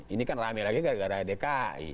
ini kan rame lagi gara gara dki